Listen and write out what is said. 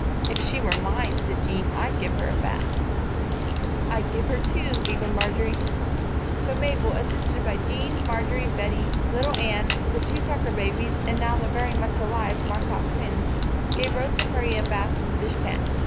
"If she were mine," said Jean, "I'd give her a bath." "I'd give her two," giggled Marjory. So Mabel, assisted by Jean, Marjory, Bettie, little Anne, the two Tucker babies and the now very much alive Marcotte twins gave Rosa Marie a bath in the dish pan.